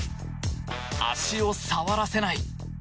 足を触らせない！